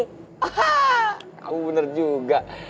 kamu bener juga